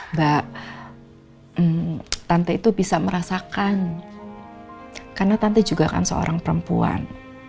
mbak tante itu bisa merasakan karena tante juga kan seorang perempuan